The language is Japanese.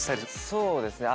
そうですね。